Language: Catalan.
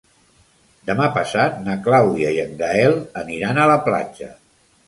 Demà passat na Clàudia i en Gaël aniran a la platja.